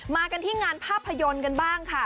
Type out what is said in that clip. มากันที่งานภาพยนตร์กันบ้างค่ะ